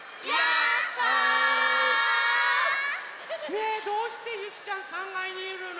ねえどうしてゆきちゃん３がいにいるの？